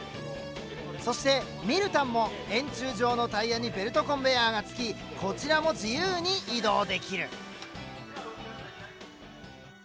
そして「視タン」も円柱状のタイヤにベルトコンベヤーがつきこちらも自由に移動できる。